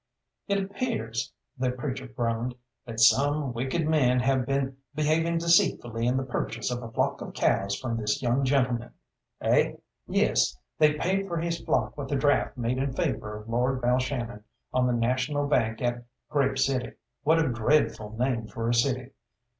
"It appears," the preacher groaned, "that some wicked men have been behaving deceitfully in the purchase of a flock of cows from this young gentleman." "Eh?" "Yes, they paid for his flock with a draft made in favour of Lord Balshannon, on the National Bank at Grave City. What a dreadful name for a city!